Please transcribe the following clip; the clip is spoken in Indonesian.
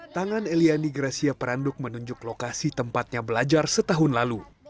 tangan eliani gracia peranduk menunjuk lokasi tempatnya belajar setahun lalu